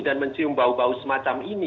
dan mencium bau bau semacam ini